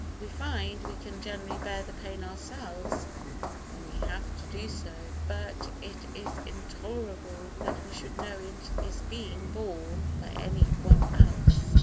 We find we can generally bear the pain ourselves when we have to do so, but it is intolerable that we should know it is being borne by any one else.